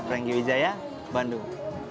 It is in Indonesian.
renggi wijaya bandung